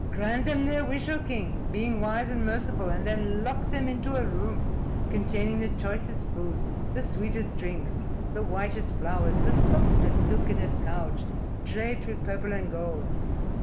"Grant them their wish, O king, being wise and merciful; and then lock them into a room containing the choicest food, the sweetest drinks, the whitest flowers, the softest, silkenest couch draped with purple and gold.